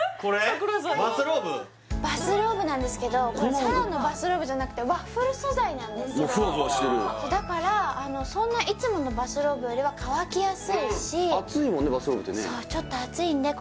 バスローブバスローブなんですけどこれただのバスローブじゃなくてワッフル素材なんですよフワフワしてるだからそんないつものバスローブよりは乾きやすいし厚いもんね